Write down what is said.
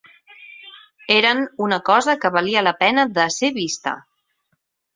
Eren una cosa que valia la pena de ser vista